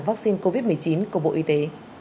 vaccine covid một mươi chín của bộ y tế